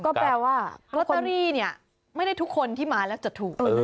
ก็แปลว่าลอตเตอรี่เนี่ยไม่ได้ทุกคนที่มาแล้วจะถูก